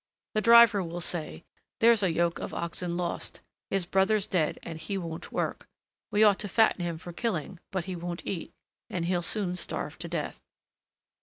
The driver will say: "There's a yoke of oxen lost; his brother's dead, and he won't work. We ought to fatten him for killing; but he won't eat, and he'll soon starve to death."